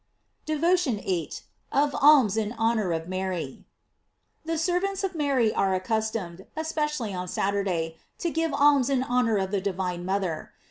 DEVOTION VIII. OP ALMS IN HONOR OF MARY. THE servants of Mary are accustomed, espe cially on Saturday, to give alms in honor of the divine mother.